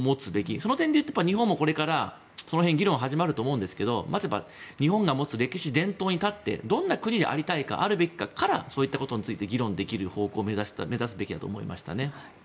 その点でいうと日本もこれからその辺議論が始まると思うんですけど日本が持つ歴史伝統をもってどんな国でありたいかあるべきかからそういうことについて議論できる方向を目指すべきだと思いました。